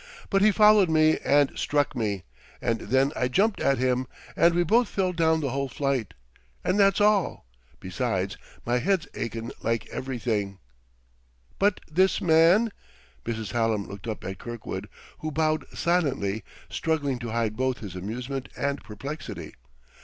But he followed me and struck me, and then I jumped at him, and we both fell down the whole flight. And that's all. Besides, my head's achin' like everything." "But this man ?" Mrs. Hallam looked up at Kirkwood, who bowed silently, struggling to hide both his amusement and perplexity.